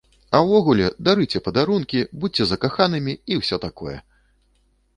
А ўвогуле, дарыце падарункі, будзьце закаханымі і ўсё такое!